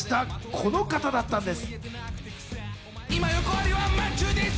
この方だったんです。